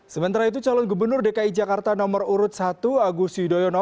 sementara itu calon gubernur dki jakarta nomor urut satu agus yudhoyono